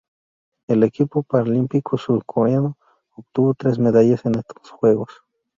El equipo paralímpico surcoreano obtuvo tres medallas en estos Juegos.